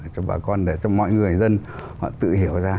cho bà con để cho mọi người dân họ tự hiểu ra